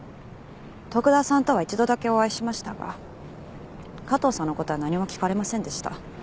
徳田さんとは一度だけお会いしましたが加藤さんの事は何も聞かれませんでした。